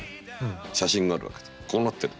こうなってる。